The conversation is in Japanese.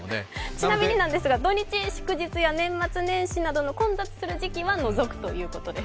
ちなみに土日祝日や年末年始などの混雑する時期は除くということです。